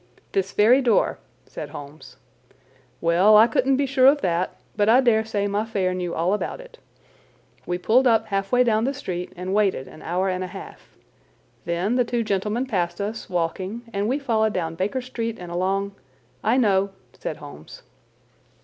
"This very door," said Holmes. "Well, I couldn't be sure of that, but I dare say my fare knew all about it. We pulled up halfway down the street and waited an hour and a half. Then the two gentlemen passed us, walking, and we followed down Baker Street and along—" "I know," said Holmes.